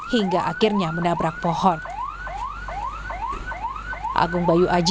hingga akhirnya menabrak pohon